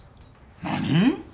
何？